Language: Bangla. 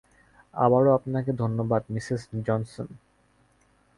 আবারো আপনাকে ধন্যবাদ মিসেস জনসন।